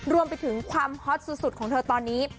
รวมไปถึงความฮอตสุดของเธอตอนนี้